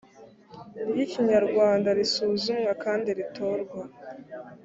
rw ikinyarwanda risuzumwa kandi ritorwa